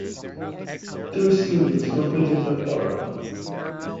Two students completed the program.